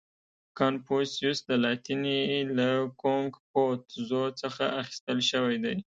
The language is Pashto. • کنفوسیوس د لاتیني له کونګ فو تزو څخه اخیستل شوی دی.